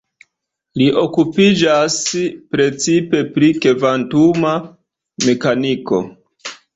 Li okupiĝas precipe pri kvantuma mekaniko.